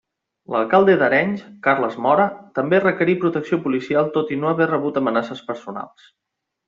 L'alcalde d'Arenys, Carles Móra, també requerí protecció policial tot i no haver rebut amenaces personals.